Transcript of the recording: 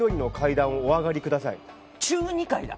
中２階だ。